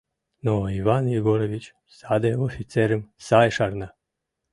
Но Иван Егорович саде офицерым сай шарна.